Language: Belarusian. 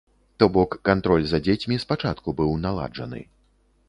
То бок кантроль за дзецьмі спачатку быў наладжаны.